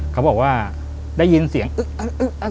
เขาบอกว่าได้ยินเสียงอึ๊กอึ๊ก